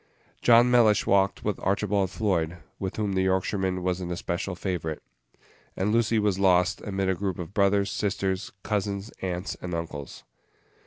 John Mellish walked with Archibald Floyd, with whom the Yorkshireman was an especial favorite; and Lucy was lost amid a group of brothers, sisters, cousins, aunts, and uncles.